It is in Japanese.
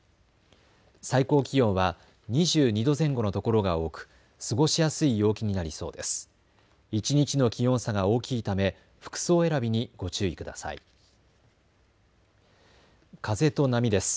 最高気温は２２度前後の所が多く過ごしやすい陽気になりそうです。